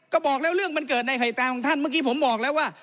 ก็บอกแล้วเรื่องมันเกิดในหายตาของท่านเมื่อกี้ผมบอกแล้วว่า